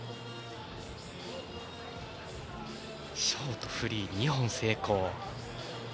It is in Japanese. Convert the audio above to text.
ショート、フリー、２本成功。